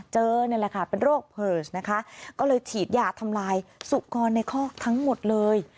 นี่แหละค่ะเป็นโรคเผิร์สนะคะก็เลยฉีดยาทำลายสุกรในคอกทั้งหมดเลย